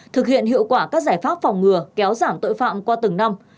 thực hiện hiệu quả các giải pháp phòng ngừa kéo giảm tội phạm qua từng năm